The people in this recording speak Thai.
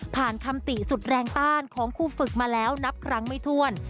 คำติสุดแรงต้านของครูฝึกมาแล้วนับครั้งไม่ถ้วน